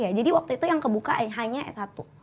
ya jadi waktu itu yang kebuka hanya s satu